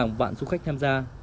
và những hàng vạn du khách tham gia